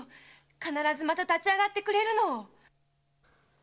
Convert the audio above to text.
必ずまた立ち上がってくれるのを！